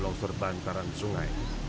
langsung berbantaran sungai